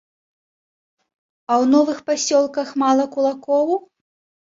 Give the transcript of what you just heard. А ў новых пасёлках мала кулакоў?